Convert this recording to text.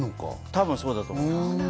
多分そうだと思います。